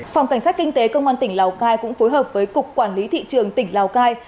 phòng cảnh sát kinh tế công an tỉnh lào cai cũng phối hợp với cục quản lý thị trường tỉnh lào cai